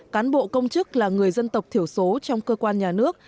cán bộ công chức là người dân tộc thiểu số trong cơ quan nhà nước